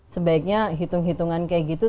sebaiknya hitung hitungan kayak gitu